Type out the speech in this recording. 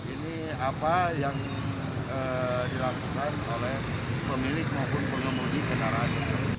ini apa yang dilakukan oleh pemilik maupun pengemudi kendaraan